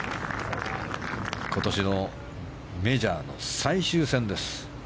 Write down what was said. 今年のメジャーの最終戦です。